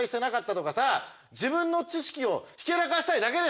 自分の知識をひけらかしたいだけでしょ？